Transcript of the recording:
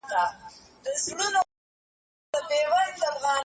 اوس به ضرور د قربانۍ د چړې سیوری وینو